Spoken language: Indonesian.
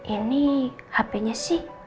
ini hpnya sih